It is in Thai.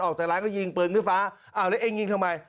ออกจากร้านก็ยิงปืนขึ้นฟ้าอ้าวแล้วเองยิงทำไม